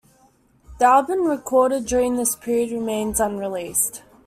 The album recorded during this period remains unreleased.